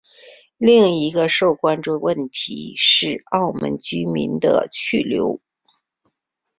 另一个受关注的问题是澳门居民的去留。